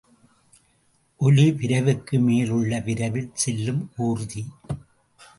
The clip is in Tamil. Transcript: ஒலி விரைவுக்கு மேல் உள்ள விரைவில் செல்லும் ஊர்தி.